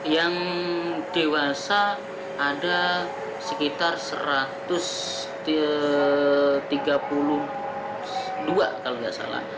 yang dewasa ada sekitar satu ratus tiga puluh dua kalau tidak salah